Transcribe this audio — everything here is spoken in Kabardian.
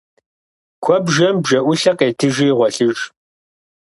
Куэбжэм бжэӏулъэ къетыжи гъуэлъыж.